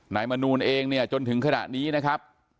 มนูลเองเนี่ยจนถึงขณะนี้นะครับ